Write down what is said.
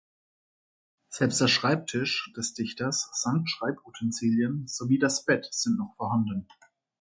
Selbst der Schreibtisch des Dichters samt Schreibutensilien sowie das Bett sind noch vorhanden.